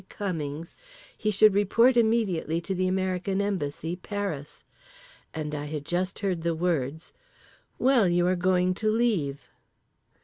Cummings he should report immediately to the American Embassy, Paris, and I had just heard the words: "Well, you are going to leave."